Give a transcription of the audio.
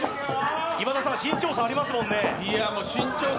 今田さん、身長差ありますもんね？